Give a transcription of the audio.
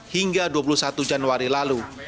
hingga dua puluh satu januari lalu